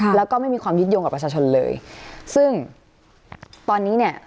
แล้วก็ไม่มีความยึดโยงกับประชาชนเลยซึ่งตอนนี้เนี่ย